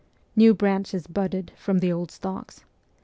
New branches budded from the old stocks.